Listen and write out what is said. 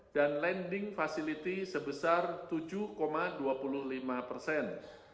dan lending facility sebesar tujuh dua puluh lima persen